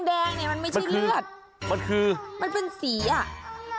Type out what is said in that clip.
ไม่ได้นี่มันไม่ใช่เลือดมันเป็นสีอ่ะ